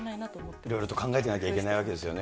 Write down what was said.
いろいろと考えていかなければいけないわけですね。